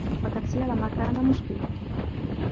وَتَفْسِيرَ مَا كَانَ مُشْكِلًا